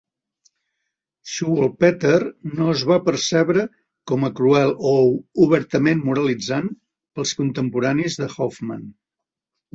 "Struwwelpeter" no es va percebre com a cruel o obertament moralitzant pels contemporanis de Hoffmann.